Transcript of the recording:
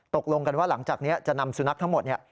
ตกลงกันว่าหลังจากนี้จะนำสุนัขทั้งหมด